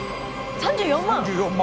「３４万！」